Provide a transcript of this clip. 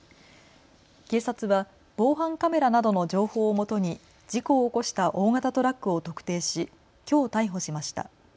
警察は防犯カメラなどの情報をもとに事故を起こした大型トラックを特定しきょう逮捕しました。